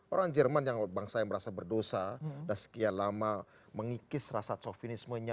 orang jerman yang bangsa yang merasa berdosa dan sekian lama mengikis rasa cofinismenya